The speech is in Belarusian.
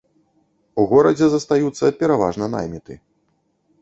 У горадзе застаюцца пераважна найміты.